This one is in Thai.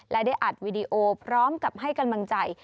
และได้อัดวีดีโอพร้อมกับให้กำลังใจ